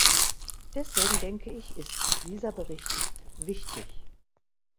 Deswegen denke ich, ist dieser Bericht wichtig.